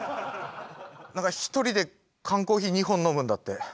何か一人で缶コーヒー２本飲むんだって。